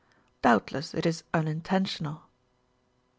"Doubtless it is unintentional."